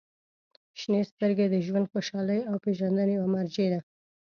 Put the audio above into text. • شنې سترګې د ژوند خوشحالۍ او پېژندنې یوه مرجع ده.